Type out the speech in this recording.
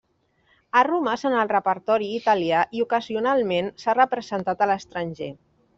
Ha romàs en el repertori italià i ocasionalment s'ha representat a l'estranger.